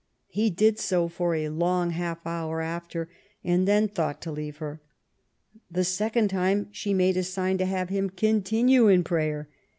He did so for a long half hour after, and then thought to leave her. The second time she made a sign to have him continue in prayer.